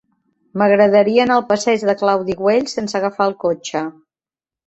M'agradaria anar al passeig de Claudi Güell sense agafar el cotxe.